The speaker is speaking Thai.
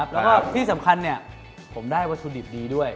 แล้วก็ที่สำคัญผมได้วัตถุดิบดีด้วย